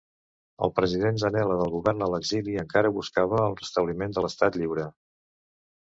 El president Zanella del govern a l'exili encara buscava el restabliment de l'Estat Lliure.